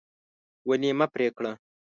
ونې مه پرې کړه.